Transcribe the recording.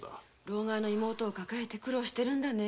労咳の妹をかかえて苦労してるんだね。